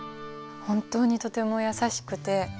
本当にとても優しくて。